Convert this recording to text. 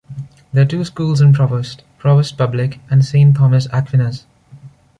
There are two schools in Provost: Provost Public and Saint Thomas Aquinas.